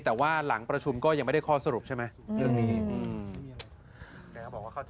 แต่ว่าหลังประชุมก็ยังไม่ได้ข้อสรุปใช่ไหมเรื่องนี้